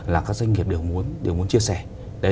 là các doanh nghiệp đều muốn chia sẻ